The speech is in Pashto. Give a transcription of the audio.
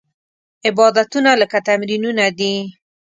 عبادتونه لکه تمرینونه دي.